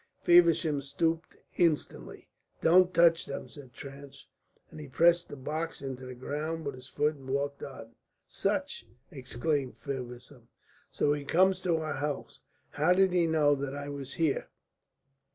Feversham stooped instantly. "Don't touch them," said Trench, and he pressed the box into the ground with his foot and walked on. "Sutch!" exclaimed Feversham. "So he comes to our help! How did he know that I was here?"